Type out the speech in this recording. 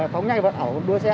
phóng nhanh vận ẩu đua xe